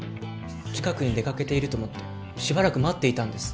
近くに出かけていると思ってしばらく待っていたんです